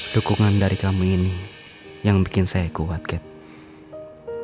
dukungan dari kamu ini yang bikin saya kuat kate